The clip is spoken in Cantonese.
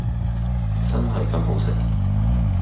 真係咁好食？